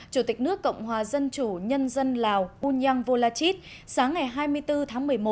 chủ tịch nước cộng hòa dân chủ nhân dân lào bunyang volachit sáng ngày hai mươi bốn tháng một mươi một